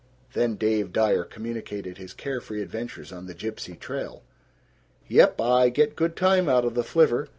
Then Dave Dyer communicated his carefree adventures on the gipsy trail: "Yep. I get good time out of the flivver.